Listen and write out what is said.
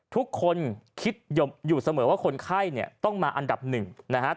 ทุกคนคิดอยู่เสมอว่าคนไข้เนี่ยต้องมาอันดับหนึ่งนะครับ